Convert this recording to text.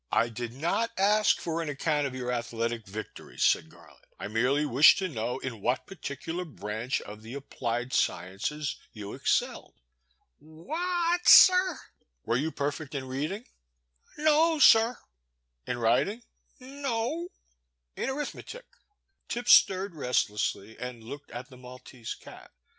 I did not ask for an account of your athletic victories/* said Garland, I merely wished to know in what particular branch of the applied sciences you excelled. Wh— a— at, sir? Were you perfect in reading ?" N— no, sir. In writing?*' No— o— *'In arithmetic? Tip stirred restlessly, and looked at the Mal tese cat.